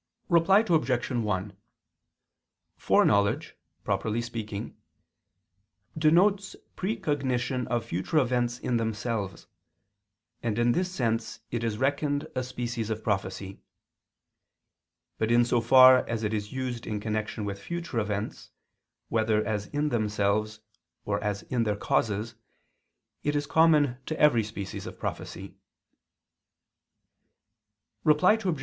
_ Reply Obj. 1: Foreknowledge, properly speaking, denotes precognition of future events in themselves, and in this sense it is reckoned a species of prophecy. But in so far as it is used in connection with future events, whether as in themselves, or as in their causes, it is common to every species of prophecy. Reply Obj.